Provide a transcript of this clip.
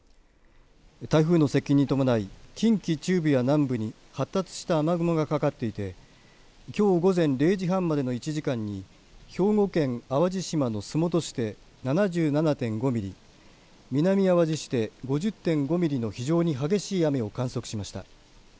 台風の接近に伴い近畿中部や南部に発達した雨雲がかかっていてきょう午前０時半までの１時間に兵庫県淡路島の洲本市で７７．５ミリ南あわじ市で５０．５ミリの非常に激しい雨を観測しました。